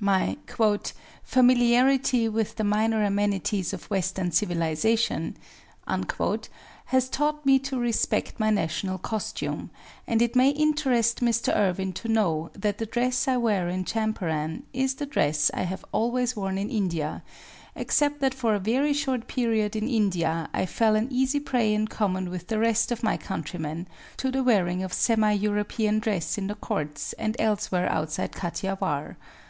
My "familiarity with the minor amenities of Western civilisation" has taught me to respect my national costume, and it may interest Mr. Irwin to know that the dress I wear in Champaran is the dress I have always worn in India except that for a very short period in India I fell an easy prey in common with the rest of my countrymen to the wearing of semi European dress in the courts and elsewhere outside Kathiawar.